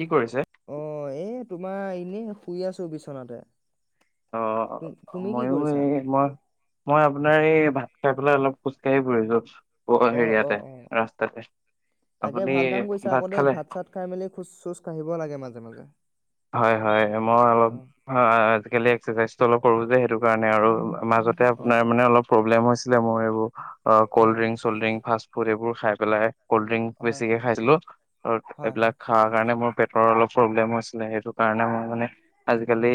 কি কৰিছে? অ এই তোমাৰ এনেই শুই আছো বিচনাতে অ তুম তুমি কি ময়ো কৰিছা এই মই মই আপোনাৰ এই [unintelligible] খাই পেলাই অলপোজকাঢ়ি পৰি য'ত অ অ হেৰিয়াতে অ ৰাস্তাতে তাকে আপুনি ভাল কাম কৰিছা ভাত আকৌ দেই খালে চাত খাই মেলি খোজ চোজ কাঢ়িব লাগে মাজে মাজে হয় হয় মই অলপ অ আজিকালি এক্সাৰচাইজটো অলপ কৰো যে সেইটো কাৰণে মাজতে অ আপোনাৰ অ মানে অলপ প্ৰব্লেম হৈছে ছিলে মই এইবোৰ অ, হয় হয় কল্ড্ৰিংছ -চল্ড্ৰিং ফাষ্টফুড এইবোৰ খাই পেলাই কল্ড ড্ৰিংক হয় বেছিকে হয় খাইছিলো। হয় হয় এইবিলাক খা কাৰণে মোৰ পেট অ অলপ প্ৰব্লেম হৈছ। নে সেইটো কাৰণে মই মানে আজিকালি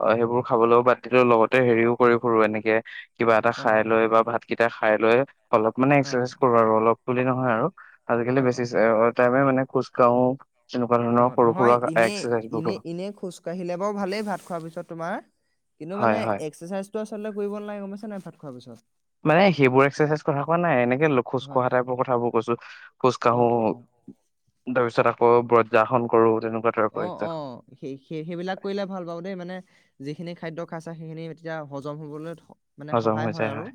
অ সেইবোৰ খাবলৈও বাদ তি লগতে হেৰিও কৰি ফুৰো এনেকে কিবা এটা অ খাই লৈ বা ভাত কেইটা খাই লৈ অলপ মানে হয় একচাৰচাইজ হয় কৰোঁ আৰু অলপ। তুলি নহয় আৰু আজিকালি অ বেছি অ [unintelligible] মানে খোজ কাঢ়ো। তেনেকুৱা ধৰণৰ সৰু-সুৰা এক এনে এনেই খোজ কাঢ়িলে বাৰু ভালেই ভাত খোৱাৰ পিছত তোমাৰ। কিন্তু হয় মানে হয় এক্সাৰচাইজ ত আচলতে কৰিব নালাগে। গম পাইছা নে নাই ভাত খোৱাৰ পিছত। মানে সেইবোৰ এক্সাৰচাইজ কথা কোৱা নাই। এনেকে খোজ হয় কঢ়া হয় টাইপৰ কথাবোৰ কৈছো। খোজ কা অ অ অ তাৰ পিছত আকৌ ব্ৰজাসন কৰো। তেনেকুৱা টাইপৰ অ, অ। এক্সাৰচাইজ সেই-সেই সেইবিলাক কৰিলে ভাল পাওঁ দেই মানে যিখিনি খাদ্য খাইছা সেইখিনি তেতিয়া হজম হ'বলৈ মানে হজম সহায় হৈ হয় যায় আৰু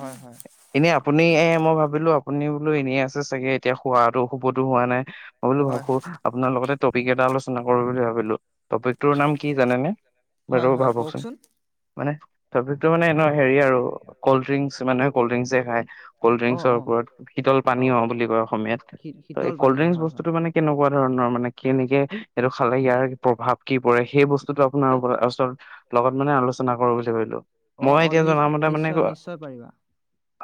হয়, হয়। এনে আপুনি এ মই ভাবিলো আপুনি বোলো এনেই আছে চাগে এতিয়া শোৱাতো শুবতো হোৱা নাই। মই বোলো হয় ভাবো হয় আপোনাৰ লগতে ত কেইটা আলোচনা কৰো বুলি ভাবিলো। টপিকটোৰ নাম কি জানেনে? হয় বাইদেউ হয় ভাবকচোন। কওকচোন মানে টপিকটো মানে এনে হেৰি আৰু কল্ড ড্ৰিংকচ মানে কল্ড ড্ৰিংকচ এ খায়, কল্ড অ ড্ৰিংকছৰ অ ওপৰত শীতল পানী অ বুলি কয় অসমীয়াত। শী- শীতল পানীয় কল্ড্ৰিংছ হয় হয় বস্তুটো মানে কেনেকুৱা ধৰণৰ মানে কিনেকে এইটো খালে ইয়াৰ প্ৰভাৱ কি পৰে সেই বস্তুটো আপোনাৰ উপ ওচৰত লগত মানে আলোচনা ৰচনা কৰো বুলি ভাবিলোঁ। অ অ নি নিশ্চয় নিশ্চয় পাৰিবা।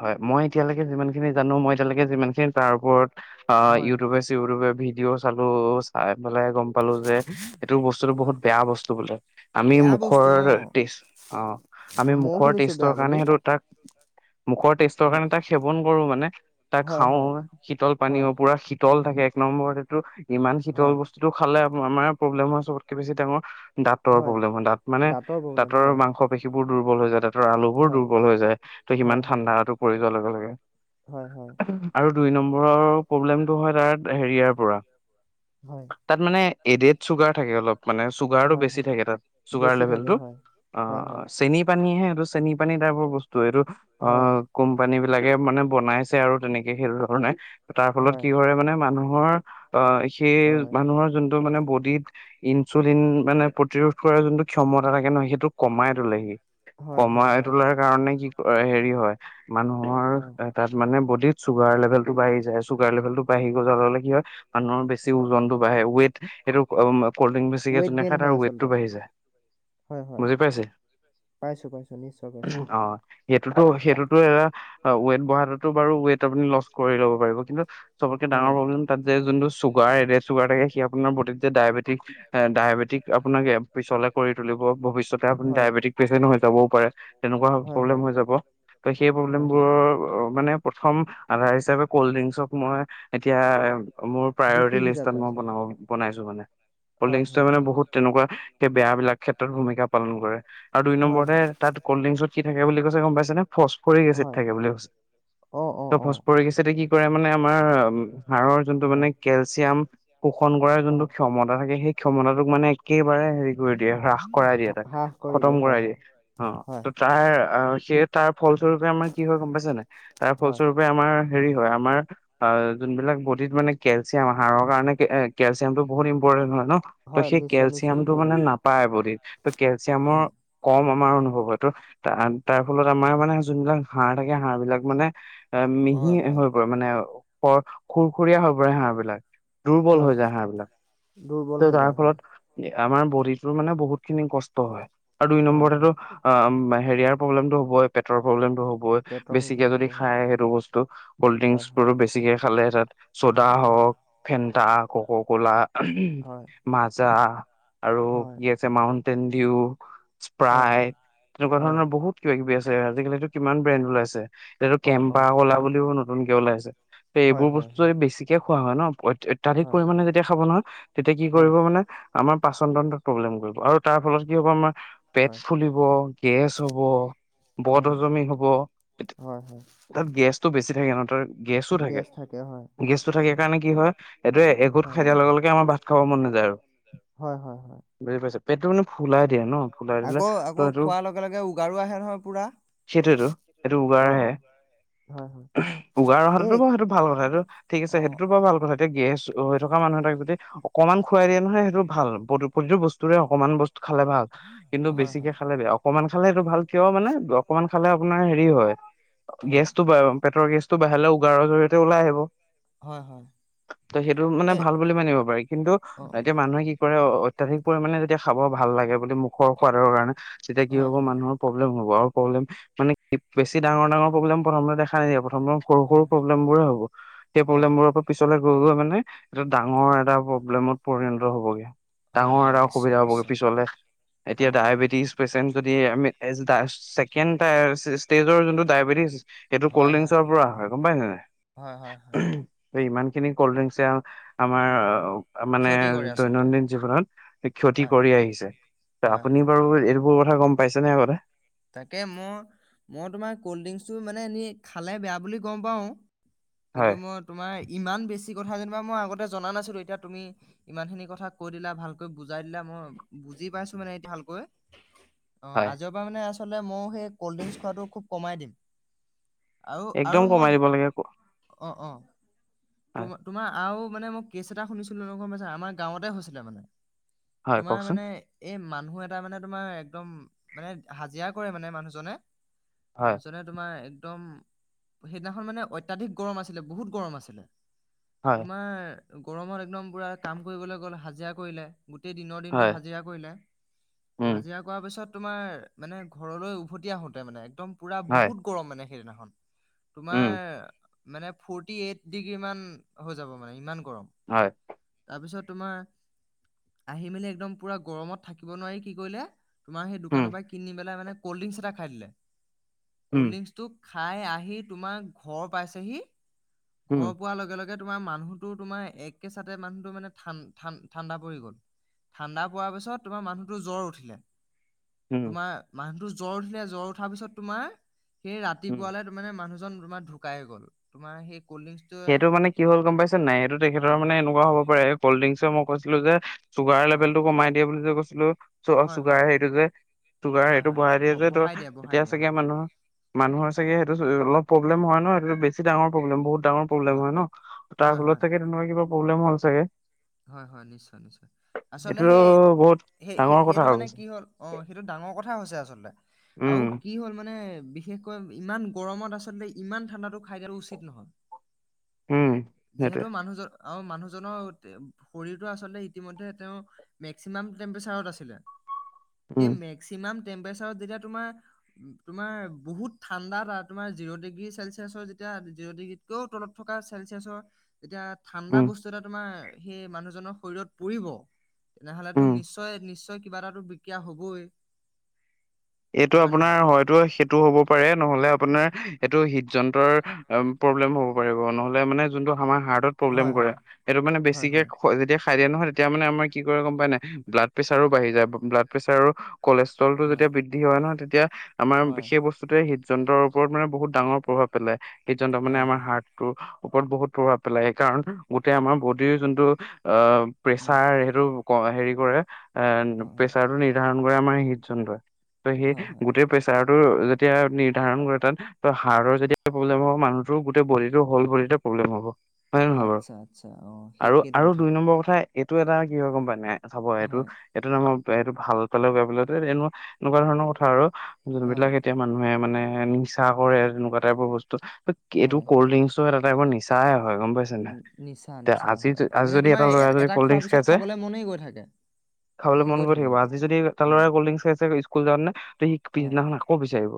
হয় মই এতিয়ালৈকে যিমান খিনি জানো মই এতিয়ালৈকে যিমানখিনি তাৰ ওপৰত অ হয় ইউৰোপেছে ইউৰোপে ভ। ভিঅ' চালো চাই বলে গম পালো যে এইেইটো বস্তুটো হয় বহুত বেয়া বস্তু বোলে, আমি বেয়া বস্তু মুখৰ অ টেষ্ট অ আমি ময়ও মুখৰ শুনিছো টেষ্টৰ বেয়া কাৰণে বুলি সেইটো তাক মুখৰ টেষ্টৰ হয় কাৰণে তাক সেৱন কৰো মানে তাক হয় খাও হয় শীতল পানী হয় পুৰা শীতল থাকে এক নম্বৰতটো। ইমান শীতল হয় বস্তুতটো খালে আমাৰ প্ৰব্লেম হয় চবতকে বেছি ডাঙৰ দাঁতৰ প্ৰব্লেম হয় দাঁত মানে প্ৰব্লেম দাঁতৰ হয়। মাংস পেশী বু দুৰ্বল হৈ যাতে। তৰ আলু বোৰ হয়, দুৰ্বল হৈ যায়। ত সমান হয়, হয়। ঠাণ্ডাতো পৰি য লগে লগে হয় হয়। আৰু দুই নম্বৰৰ প্ৰব্লেমটো হয় তাৰ হেৰিয়াৰ পৰা হয়। তাত মানে এডেড চুগাৰ থাকে অলপ। মানে চুগাৰটো হয়, বেছি হয়, থাকে তাত চুগাৰ বেছি লেভেল থাকে টো হয়, অ হয়, হয়। চেনী পানীহে এইটো চেনি পানী টাইপৰ বস্তু এইটো। অ হয়, কোম্পানী লাকে মানে বনাইছে আৰু তেনেকে সেই ধৰণে তাৰ ফলত হয়। কি কৰে মানে মানুহ হৰ বা সেই হয়। মানুহৰ যোনটো মানে বডিত ইনচুলিন মানে প্ৰতিৰোধ কৰ যোনটো ক্ষমতা থাকে নহয় সেইটো কমাই তোলে হী। হয় হয় কমাই হয়। তোলাৰ কাৰণে কি অ হেৰি হয়। মানুহৰ অ'। এ তাত মানে য চুগাৰ লেভেলটো বাঢ়ি যায় চুগাৰ লেভেল টো বাঢ়ি গ যা'লে কি হয় মানুহৰ বেছি হয়। ওজনতটো বা়ে ওৱেট সেইটো কল্ড ড্ৰিংক বেছিকে ৱেইট তেনে গেইন খাই তাৰ হয় ৱেইটটো আচলতে, বাঢ়ি যায়, হয় হয় বুজি পাইছে? পাইছো পাইছো নিশ্চয় পাইছো অ। সেইটোতো - সেইটোতো এটা ৱেইট ব়াততো বাৰু ৱেইট আপুনি লচ কৰি ল'ব পাৰিব কিন্তু। চবকে ডাঙৰ হয়। প্ৰবলেম তাত। যে যোনটো চুগাৰডেড চুগাৰ থাকে সি আপোনাৰ বিতত যে ডায়েটি। ডায়বেটিক আপোনাক পিছলে কৰি তুলিব ভৱিষ্যতে আপুনি ডায়বেটিক পেচেন্ট হৈ যাবও পাৰে তেনেকুৱা প্ৰব্লেম হৈ যাব। ত সেই প্ৰব্লেম প্ৰব্লেমবোৰৰ। মানে প্ৰথম আধাৰ হিচাপে কল্ড ড্ৰিংকচক মই এতিয়া মোৰ দোষী প্ৰায়ৰিটি লিষ্টত হিচাপে মই ব আচলতে বনাইছো মানে কল্ড হয় ডিংকে হয় মানে বহুত তেনেকুৱা। বেয়া বিলাক ক্ষেত্ৰত ভূমিকা পালন কৰে। আৰু দুই হয় হয় নম্বৰতে তাত কল্ড ড্ৰিংকছত। কি থাকে বুলি কৈছে। গম পাইচে নে? ফচফৰিক এচিড হয় থাকে বুলি কৈছে অ অ ত' অ ফচফৰিক এচিডে কি কৰে। মানে আমাৰ হাৰ়ৰ যোনটো মানে হয় কেলচিয়াম শোষণ কৰাৰ যোনটো হয় ক্ষমতা থাকে সেই। ক্ষমতাতোক মানে একেই একেবাৰে হেৰি কৰি দিয়ে হ্ৰাস কৰাই দিয়ে হা- তাক, হ্ৰাস কৰি খতম হয় কৰাই দিয়ে হয় অহ', ত হয় তাৰ। সেয়ে তাৰ ফলস্বৰূপে আমাৰ কি হয় গম পাইছানে, তাৰ হয় ফলস্বৰূপে আমাৰ। হেৰি হয় আমাৰ অহ ', যোনবিলাক বডিত মানে কেলচিয়াম হাৰৰ কাৰণে কেলচিয়াম টো বহুত ইম্পৰ্টেন্ট হয়। ন' ত হয় সেই নিশ্চয় নিশ্চয় কেলচিয়াম টো মানে ইম্পৰ্টেণ্ট নাপায় বডিত। ত কেলচিয়ামৰ হয় কম অহ ', আমাৰ অনুভৱ হয়টো ত তাৰ ফলত আমাৰ মানে যোনবিলাক হা়হ থাকে হাহ বিলাক মানে এ মিহি হয় হয় হৈ পৰে মানে। প খুৰ-খুৰীয়া হবৰে হাঁহ বিলাক দুৰ্বল হয় হৈ যায় হাড়বিলাক দুৰ্বল ত হৈ তাৰ যায় হয় ফলত। আমাৰ বডিটোৰ মানে বহুত খিনি কষ্ট হয়। আৰু দুই হয় নম্বৰো হয়। অহ ', মাই হেৰিয়াৰ প্ৰব্লেমটো হ'ই পেটৰ প্ৰব্লেম হ'ব। পেটৰ ব বেছিকে প্ৰব্লেম হ'ব যদি হয়। খাই সেইটো বস্তু কল্ড হয় ড্ৰিংক হয়। বোৰো বেছিকে খালে তাত চ'দা হয় হয়। হওক ফেণ্টা। ক - ক কলা হয় মাজা। আৰু হয়। কি আছে মাউণ্ট। তেন্দও হয় স্প্ৰাই হয় তেনেকুৱা হয়। ধৰণৰ বহুত আজিকালিতো কিমান ব্ৰেণ্ড ওলাইছে। এতিয়া তো অ অ। কেম্পা কলা বুলিও নো নতুনকে আহিছে ত হয় এইবোৰ হয় বস্তু হয়। বেছিকে। খোৱা হয় ন'। অত্যাধিক হয় পৰিমানে যেতিয়া খাব নহয় তেতিয়া কি হয়। কৰিব মানে। আমাৰ পাচন তন্ত্ৰত প্ৰব্লেম কৰিব আৰু তাৰ ফলত কি হ'ব আমাৰ। পেট হয় ফুলিব গেছ হ'ব অ বদহজমি হব, হয় হয়। তাত গেছটো বেছি থাকে ন' তই গেছো থাকে, গেছ হয়। গেছটো থাকে সেইকাৰণে কি হয়, এইটোৱে এঘোট খাই দিয়াৰ লগে লগে আমাৰ ভাত খাব মন নাযায় আৰু আৰু। হয় হয় হয় বুজি পাইছোঁ। পেটটো মানে ফুলাই অ দিয়া ন ফুলাই দিলে আকৌ ত আকৌ এইটো খোৱাৰ লগে লগে উগাৰো আহে নহয় পুৰা। সেইটোৱেইটো, সেইটো অ উগাৰহে, অ হয় হয় উগাৰ অহাটো এই বাৰু সেইটো ভাল কথা সেইটো ঠিক আছে অ সেইটোতো বাৰু ভাল কথা। তে গেছ হৈ থকা মানুহ এ তাক যদি অকনমান খুৱাই দিয়ে নহয় সেইটো ভাল প্ৰতিটো বস্তুৰে অকনমান বস্তু খালে ভাল কিন্তু হয় বেছিকে হয়। খালে বেয়া অকমান। খালেতটো ভাল কিয় মানে অকমান খালে। আপোনাৰ হেৰি হয় হয়। অ গেছটো প পেটৰ গেছটো বাহিলে উগাৰৰিয়তে ওলাই আহিব। হয় হয় ত সেইটো মানে এই ভাল বুলি মানিব পাৰি কিন্তু অ এতিয়া মানুহে কি অত্যাধিক পৰিমানে যেতিয়া খাব ভাল লাগে বুলি মুখৰ সোৱাদৰ কাৰণে। তেতিয়া অ কি হয় হ'ব হয় মানুহক ম মানে বেছি ডাঙৰ ডাঙৰ প্ৰব্লেম প্ৰথমতে দেখা নাই আমাৰ সৰু সৰু হয় প্ৰব্লেমবোৰে হ'ব সেই হয় প্ৰব্লেমবোৰৰ পৰা পিছলৈ। গৈ গৈ মানে এটা ডাঙৰ এটা প্ৰব্লেমত পৰিণত হবগে। হয় ডাঙৰ হয় এটা নিশ্চয় অসুবিধা হ'বগে নিশ্চয় পিছলে অ এতিয়া অ ডায়েবেটিজ পেচেণ্ট। এই আমি ছেকেণ্ড ষ্টেজৰ যোনটো ডায়েবেটিছ এইটো কল্ড হয় হয় ড্ৰিংকচৰ পৰা হয় গম পায় ন হয় হয় হয় নাই ইমান খিনি কল্ড ড্ৰিংকছে আমাৰ। মানে ক্ষতি কৰে আচলতে দৈনন্দিন জীৱনত ক্ষতি হয় কৰি আহিছে ত হয় আপুনি হয়। বাৰু এই সবোৰ কথা গম পাইছে নে আগতে তাকে মই মই তোমাৰ কল্ড ড্ৰিংকচটো মানে এনে খালে বেয়া বুলি গম পাও কিন্তু হয়, মই তোমাৰ ইমান বেছি। কথা যেনিবা মই আগতে জনা নাছিলোঁ এতিয়া তুমি ইমান খিনি কথা কৈ দিলা, ভালকৈ বুজাই দিলা, মই বুজি পাইছোঁ মানে এতিয়া ভালকৈ। অ হয়। আজিৰ পৰা মানে আ আ মই সেই কল্ড্ৰিংক খোৱাটো খুব কমাই দিম আৰু একদম আৰু মই কমাই দিব লাগে। অ অ হয়, তোম তোমাৰ আৰু। মানে মই কেছ এটা শুনিছিলোঁ গম পাইছানে আমাৰ গাঁৱতে হৈছিলে মানে। হয় তোমাৰ কওকচোন। মানে এই মান মানুহ এটা মানে তোমাৰ একদম মানে হাজিৰা কৰে মানে মানুহজনে হয়, মানুহচনে তোমাৰ একদম সেইদিনাখন মানে অত্যাধিক গৰম আছিলে বহুত গৰম আছিলে হয়, তোমাৰ [inaudible] গোটেই দিনৰ দিনটো হয়, হাজিৰা কৰিলে উম, হাজিৰা কৰ পিছত তোমাৰ মানে ঘৰলৈ উভতি আহোতে মানে একদম পুৰা হয়, বহুত গৰম মানে সেইদিনাখন তোমাৰ উম, মানে ফটি এইিগ ইমান হৈ যাব মানে ইমান গৰম হয়, তাৰপিছত তোমাৰ আহি মেলি একদম পুৰা গৰমত থাকিব নোৱাৰি কি কৰিলে তোমাৰ সেই উম, দোকানৰ পৰা কিনি পেলাই মানে ক'ল্ড ড্ৰিংকসটা খাই দে উম, কললিমছ তোক খাই আহি তোমাৰ ঘৰ পাইছহি উম, ঘৰ পোৱাৰ লগে লগে ে তোমাৰ মানুহতো তোমাৰ একে চাথতে মানুহো মানে ঠাণ্ডা পৰি গল ঠাণ্ডা পোৱাৰ পিছত তোমাৰ মানুহটোো জ্বৰ উঠিলে উম, তোমাৰ মানুহটোো জ্বৰ উঠিলে জ্বৰ উঠাৰ পিছত তোমাৰ সেই উম। ৰাতিপুৱালে ত মানে মানুহজন তোমাৰ ঢুকাই গ'ল তোমাৰ সেই কল্ড ড্ৰিংকচটোৱে সেইটো মানে কি হ'ল গম পাইছে নাই সেইটো তেখেতৰ হয় মানে হয় এনেকুৱা হব পাৰে। কল্ড্ৰংকছে মই কৈছিলো যে চুগাৰ হয় লেভেলটো কমাই দিয়ে বুলি যে কৈছিলো চু হয় চুগাৰ হয় হেটো যে চুগাৰ হয় সেইটো হয় বঢ়াই দিয়ে যে ত বঢ়াই দিয়ে বঢ়াই তেতিয়া দিয়ে চাগে হয় মানুহৰ মানুহৰ চাগে সেইটো অলপ প্ৰব্লেম হয় ন সটো বেছি ডাঙৰ প্ৰবলেম বহুত ডাঙৰ লাগিব হয় ন তাৰ হয় হয় ফলত থাকে তেনেকুৱা কিবা। প্ৰব্লেম হ'ল চাগে হয় হয় নিশ্চয় নিশ্চয় আচলতে এইটো সেই বহুত সেই ডাঙৰ সেইটো কথা হৈ মানে গৈছে কি হ'ল অ সেইটো ডাঙৰ কথা হৈছে আচলতে আৰু উম কি হল মানে বিশেষকৈ ইমান গৰমত আচলতে ইমান ঠাণ্ডাতো খাই যাটো উচিত নহয়। উম সেইটোৱে যিহেতু মানুহজৰ আৰু মানুহজনৰ শৰীৰটো আচলতে ইতিমধ্যে তেওঁ মেক্সিমাম টেম্পৰেচাৰত আছিলে। সেই উম মেক্সিমাম টেম্পৰেচাৰত যেতিয়া তোমাৰ তোমাৰ বহুত ঠাণ্ডা, এটা তোমাৰ জিৰ' ডিগ্ৰী 'চেলচিয়াছৰ যেতিয়া জিৰ' ডিগ্ৰীতকেও তলত থকা চেলচিয়াছৰ- এতিয়া ঠাণ্ডা উম বস্তু এটা তোমাৰ সেই মানুহজনৰ শৰীৰত পৰিব তেনেহলেতো উম নিশ্চয় নিশ্চয় কিবা এটাতো বিকয়া হবই এইটো হয় আপোনাৰ নহয়? হয়তো সেইটো হ'ব পাৰে নহলে আপোনাৰ হেইতো হিত যন্ত্ৰৰ প্ৰব্লেম হ'ব পাৰিব নহলে আমাৰ প্ৰব্লেম হয় কৰে হয় সেইটো মানে হয় বেছিকে হয়। খ যেতিয়া খাই দিয়া নহয় তেতিয়া মানে আমাৰ কি কৰে গম পাই নাই ব্লাড প্ৰেছাৰো বাঢ়ি যায় ব্লাড প্ৰেছাৰো কলেত্ৰলটো হয় যেতিয়া হয় ন তেতিয়া- আমাৰ সেই বস্তুতে- যন্ত্ৰৰ ওপৰত মানে বহুত ডাঙৰ প্ৰভাৱ পেলাই- যন্ত্ৰ মানে হয় হয় আমাৰ হয়। হাৰ্টটো ওপৰত বহুত প্ৰভাৱ পেলাই সেই কাৰণ গোটেই আমাৰ বডিৰ যোনটো উম প্ৰেছাৰ সেইটো হেৰি কৰে এ উম উম পেছা টো নিধণ কৰে আমাৰ হৃদ যন্তই ত সেই হয় হয় গোটেই প্ৰেচাৰ যেতিয়া নিৰ্ধাৰণ কৰে তাত ত হাৰ্টৰ যেতিয়া প্ৰব্লেম হব মানুহো গোটেই বডটো হল বড প্ৰব্লেম হ'ব,। হয় নে নহয় বাৰু আচ্ছা আচ্ছা অ' সেই আৰু সেইটো আৰু কথা। দুই নম্বৰ কথা এইটো এটা কি গম পাইনে নাই। চাব এইটো হয় এইটো নামৰ ত'সেইটো ভাল পালে পালে বেয়া পালেও এনেও। এনেকুৱা ধৰণৰ কথা আৰু। হয় যোনবিলাক এতিয়া মানুহে মানে এ নিচা কৰে এ তেনেকুৱা টাইপৰ বস্তু। এইটো হয় কল্ড ড্ৰিংকছ। এইবোৰ নিচাই হয় গম পাইছে নাই। নি- নিচা নিচা আজি হয় আজি মানে যদি এটা তোমাৰ লৰা এট- যদি কলড্ৰিং খোৱাৰ পিছত খাইছে খাবলৈ মনেই গৈ থাকে খাবলৈ মন গৈ থাকিব আজি যদি এটা হয় ল'ৰাই কলড্ৰিং খাইছে। জানানে, ত' সি হয় পিছদিনাখন আকৌ বিচাৰিব।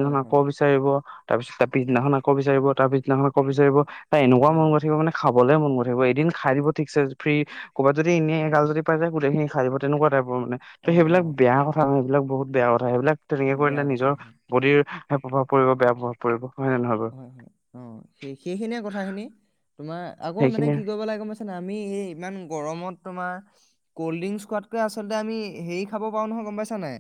হয় আকৌ হয় বিচাৰিব তাৰ পিছত তাৰ উম, পিছদিনাখন আকৌ বিচাৰিব। তাৰ পিছদিনাখন আকৌ বিচাৰিব। এনেকুৱা মন হয় গৈ থাকিব মানে খাবলৈ মন গৈ এদিন খাই দিব ঠিকছে ফ্ৰী ক'বাত যদি এনে এগাল যদি পাই যায় গোটেই খিনি খাই দিব তেনেকুৱা টাইপ। মানে অ অ ত'সেইবিলাক বেয়া কথা ন। এইবিলাক বহুত বেয়া কথা সেইবিলাক। তেনেকে কৰিলে বেয়া কথা নিজৰ হয় বডিৰ হে প্ৰভাৱ পৰিব বেয়া প্ৰভাৱ পৰিব। হয় নে নহয় বাৰু হয়, হয়। অ' সেই সেইখিনিয়ে কথাখিনি তোমাৰ আকৌ মানে সেইখিনি কি কৰিব লাগে গম পাইছা নাই আমি এই ইমান গৰমত। তোমাৰ কল্ড ড্ৰিংকছ খোৱাতকৈ আচলতে আমি হেৰি খাব পাৰো নহয় গম পাইছা নাই।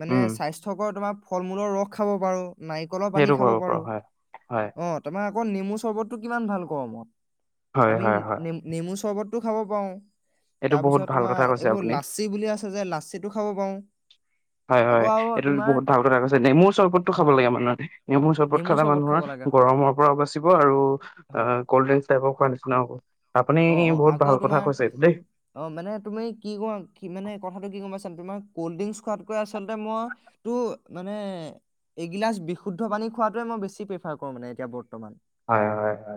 মানে উম স্বাস্থ্যকৰ তোমাৰ ফল মূলৰ ৰস খাব পাৰোঁ। নাৰিকলৰ পানী সেইটো খাব কৰিব পাৰো। হয় হয় অ', তোমাৰ? আকৌ নেমু চৰ্বতটো কিমান ভাল গৰমত। হয় আমি হয় হয় নে নেমু চৰ্বত। খাব পাৰো। এইটো তাৰ বহুত পিছত ভাল কথা তোমাৰ কৈছে এইবোৰ আপুনি লাচি বুলি আছে যে লাচিতো খাব পাৰো। হয়, আকৌ হয়। আৰু এইটো তোমাৰ বহুত ভাল কথা কৈছে দেই নেমুৰ চৰ্বতটো খাব হয় লাগে মানুহে। নেমুৰ চৰবত নেমু খালে চৰ্বত খাব মানুহৰ লাগে হয় গৰমৰ পৰাও বাচিব আৰু হয় কল্ড ড্ৰিং টাইপৰ [unintelligible] অ', অ', বহুত আকৌ ভাল কথা তোমাৰ, কৈছে এইটো দেই অ', মানে তুমি কি কোৱা, কি মানে কথাটো কি গম পাইছানে? মানে কল্ড ড্ৰিংক খোৱাতকে আচলতে মই তো, মানে এগিলাচ বিশুদ্ধ পানী খোৱাাতোৱে মই বেছি প্ৰিফাৰ কৰো মানে এতিয়া। বৰ্তমান হয়! হয়! হয়!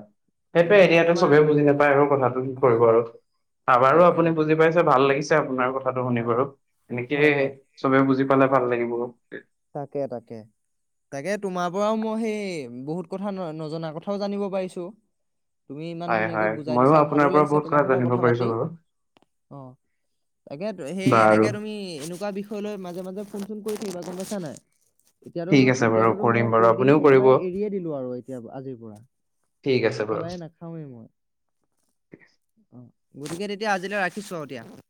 এ, সেইটোয়েই, মানে এতিয়াতো তোমাৰ চবে বুজি নাপায় আৰু কথাটো কি হয় কৰিব হয় আৰু, অ' বাৰু তাকে আপুনি তাকে বুজি পাইছে, ভাল লাগিছে। আপোনাৰ কথাটো শুনি হয় বাৰু। এনেকে হয় হয় চবে বুজি পালে ভাল লাগিব। [unintelligible] তাকে, তাকে, তাকে তোমাৰ পৰাও মই সেই বহুত কথা ন নজনা কথাও জানিব পাৰিছোঁ। তুমি ইমান হয় ধুনীয়াকৈ হয় বুজাই ময়ো দিছা, ভালো আপোনাৰ পৰা লাগিছে, বহুত তোমাৰ সতে জানিব কথা পাৰিছো পাতি। বাৰু অ'! তাকেইতো, সেই বাৰু এনেকে তুমি এনেকুৱা বিষয় লৈ মাজে মাজে [unintelligible] কৰি থাকিবা যলৈও ছা নাই? এতিয়াতো ত', ঠিক আছে বাৰু এতিয়াতো ত', মই কৰিম বাৰু কল্ড আপুনিও ড্ৰিংকচ কৰিব একেবাৰে এৰিয়ে দিলোঁ আৰু এতিয়াৰ, আজিৰ পৰা। ঠিক আছে বাৰু একেবাৰে নাখাওৱেই মই। গতিকে তেতিয়া আজিলৈ ৰাখিছোঁ আৰু এতিয়া।